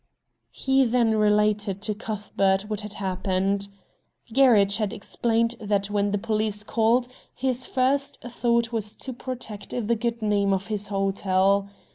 He then related to Cuthbert what had happened. Gerridge had explained that when the Police called, his first thought was to protect the good name of his hotel.